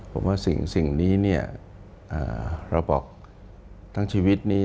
ผมว่าสิ่งนี้เนี่ยเราบอกทั้งชีวิตนี้